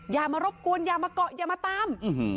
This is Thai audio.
อย่ามารบกวนอย่ามาเกาะอย่ามาตาม